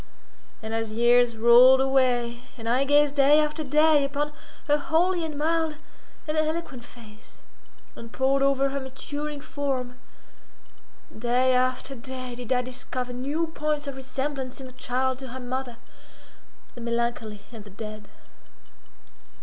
And as years rolled away, and I gazed day after day upon her holy, and mild, and eloquent face, and poured over her maturing form, day after day did I discover new points of resemblance in the child to her mother, the melancholy and the dead.